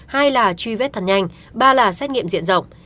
hai là truy vết thật nhanh ba là xét nghiệm diện rộng